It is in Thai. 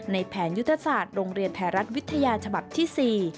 แผนยุทธศาสตร์โรงเรียนไทยรัฐวิทยาฉบับที่๔